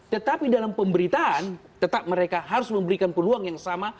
tetapi dalam pemberitaan tetap mereka harus memberikan peluang yang sama